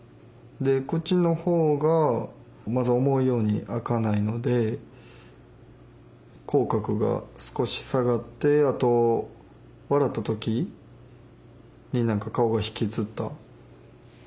口のほうがまず思うように開かないので口角が少し下がってあと笑ったときに何か顔が引きつった状態になりますね。